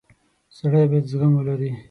• سړی باید زغم ولري.